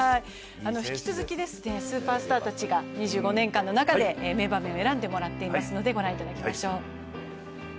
引き続き、スーパースターたちが２５年間の中で名場面を選んでもらっていますのでご覧いただきましょう。